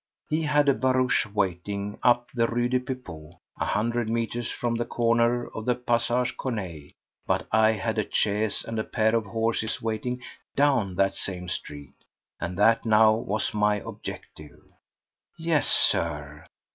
He had a barouche waiting up the Rue des Pipots, a hundred metres from the corner of the Passage Corneille, but I had a chaise and pair of horses waiting down that same street, and that now was my objective. Yes, Sir!